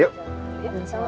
yang penting dimenang jadi vet